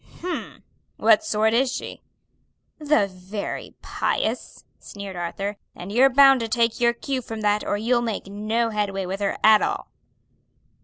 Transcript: "H'm! What sort is she?" "The very pious!" sneered Arthur, "and you're bound to take your cue from that or you'll make no headway with her at all."